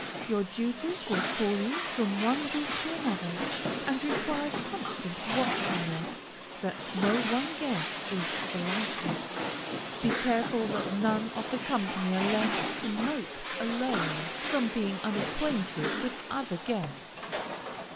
Your duties will call you from one group to another, and require constant watchfulness that no one guest is slighted. Be careful that none of the company are left to mope alone from being unacquainted with other guests.